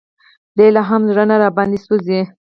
د یوه لا هم زړه نه راباندې سوزي